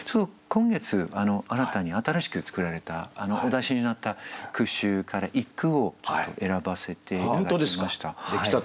今月新たに新しく作られたお出しになった句集から一句をちょっと選ばせて頂きました。